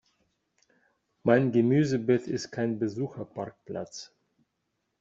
Mein Gemüsebeet ist kein Besucherparkplatz!